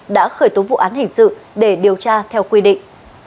đã khởi tố vụ án hình sự để điều tra theo quy định